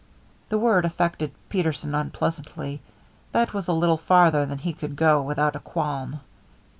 The word affected Peterson unpleasantly. That was a little farther than he could go without a qualm.